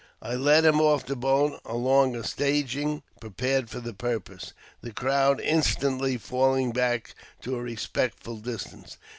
I led him off the boat along a staging prepared for the purpose, the crowd instantly falling back to a respectful distance.